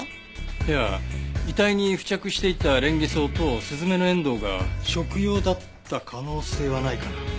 いや遺体に付着していたレンゲソウとスズメノエンドウが食用だった可能性はないかな？